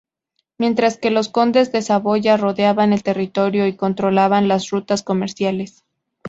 Mientras que los condes de Saboya rodeaban el territorio y controlaban las rutas comerciales.